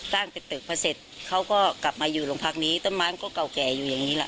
ตั้งเป็นตึกพอเสร็จเขาก็กลับมาอยู่โรงพักนี้ต้นไม้ก็เก่าแก่อยู่อย่างนี้แหละ